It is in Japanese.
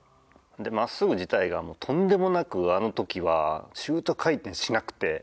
真っすぐ自体がとんでもなくあの時はシュート回転しなくて。